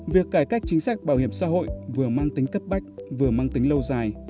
việc cải cách chính sách bảo hiểm xã hội vừa mang tính cấp bách vừa mang tính lâu dài